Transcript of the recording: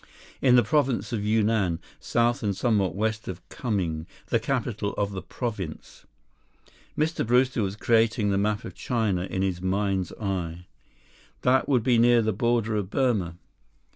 "In the province of Yunnan, south and somewhat west of Kunming, the capital of the province." Mr. Brewster was creating the map of China in his mind's eye. "That would be near the border of Burma."